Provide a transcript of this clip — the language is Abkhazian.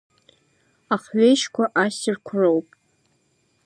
Ахьҩежьқәа, ассирқәа роуп…